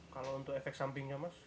kalau untuk efek sampingnya mas